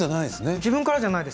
自分からじゃないです